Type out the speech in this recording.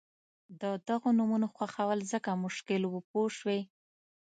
د دغو نومونو خوښول ځکه مشکل وو پوه شوې!.